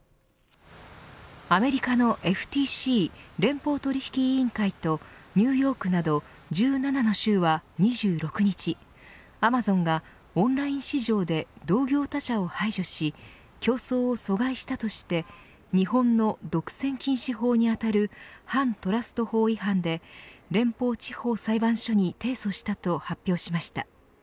アメリカのＦＴＣ＝連邦取引委員会とニューヨークなど１７の州は２６日アマゾンがオンライン市場で同業他社を排除し競争を障害したとして日本の独占禁止法に当たる反トラスト法違反で連邦地方裁判所に提訴したと発表しました。